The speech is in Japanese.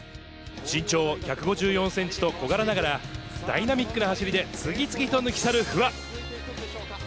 身長１５４センチと小柄ながら、ダイナミックな走りで、次々と抜き去る不破。